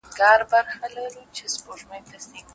چي له خالق سره مو سل ځله وعدې ماتي کړې